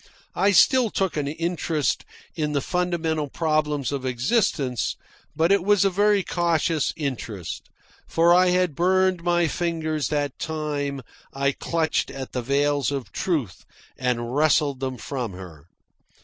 I still took an interest in the fundamental problems of existence, but it was a very cautious interest; for I had burned my fingers that time I clutched at the veils of Truth and wrested them from her.